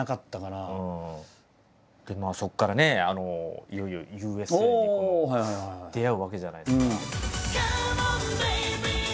でもそこからねいよいよ「Ｕ．Ｓ．Ａ．」に出会うわけじゃないですか。